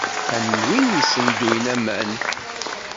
Am win issenduyen aman.